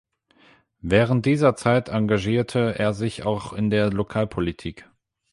Während dieser Zeit engagierte er sich auch in der Lokalpolitik.